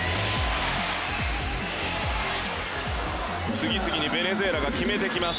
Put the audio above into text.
次々にベネズエラが決めてきます。